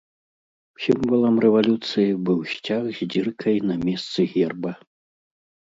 Сімвалам рэвалюцыі быў сцяг з дзіркай на месцы герба.